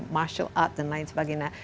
martial art dan lain sebagainya